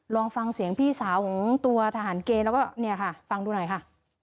ลองฟังเสียงพี่สาวของตัวทหารเกย์แล้วก็เนี่ยค่ะฟังดูหน่อยค่ะ